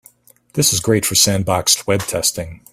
This is great for sandboxed web testing.